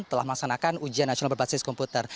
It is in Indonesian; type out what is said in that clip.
telah melaksanakan ujian nasional berbasis komputer